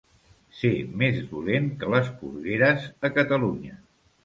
Ser més dolent que les porgueres a Catalunya.